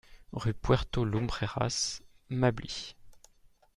Rue Puerto Lumbreras, Mably